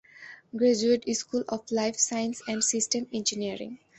Graduate school of life science and systems engineering.